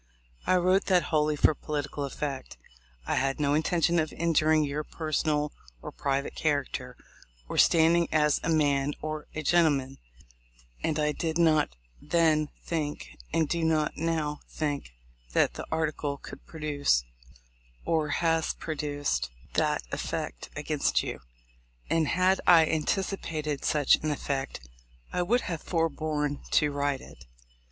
I wrote that wholly for political effect. I had no intention of injuring your personal or private character, or standing as a man or a gentle man ; and I did not then think, and do not now think, that that article could produce, or has pro duced, that effect against you; and had I antici pated such an effect, I would have forborne to write it.